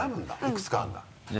いくつかあるんだ。